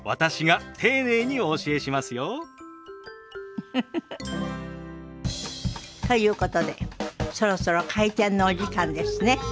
ウフフフ。ということでそろそろ開店のお時間ですね。